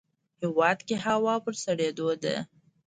هیواد کې هوا په سړیدو ده